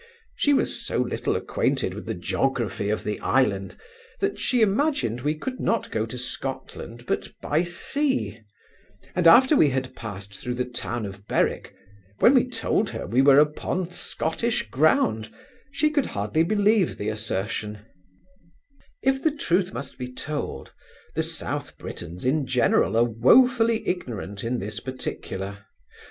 She was so little acquainted with the geography of the island, that she imagined we could not go to Scotland but by sea; and, after we had passed through the town of Berwick, when he told her we were upon Scottish ground, she could hardly believe the assertion If the truth must be told, the South Britons in general are woefully ignorant in this particular.